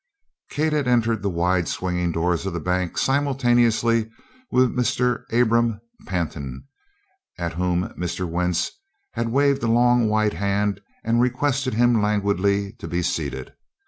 Kate had entered the wide swinging doors of the bank simultaneously with Mr. Abram Pantin, at whom Mr. Wentz had waved a long white hand and requested him languidly to be seated.